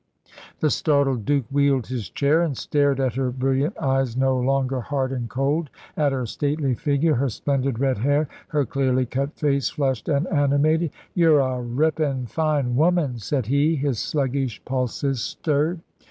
The startled Duke wheeled his chair and stared at her brilliant eyes, no longer hard and cold, at her stately figure, her splendid red hair, her clearly cut face flushed and animated. "You're a rippin' fine woman," said he, his sluggish pulses stirred.